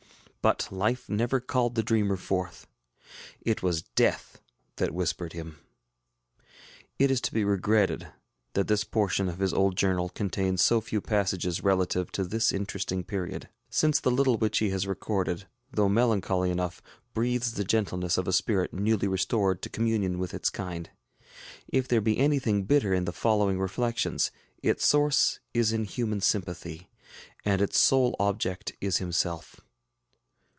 But life never called the dreamer forth; it was Death that whispered him. It is to be regretted that this portion of his old journal contains so few passages relative to this interesting period; since the little which he has recorded, though melancholy enough, breathes the gentleness of a spirit newly restored to communion with its kind. If there be anything bitter in the following reflections, its source is in human sympathy, and its sole object is himself.